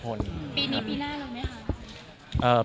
ปีนี้ปีหน้าแล้วไหมครับ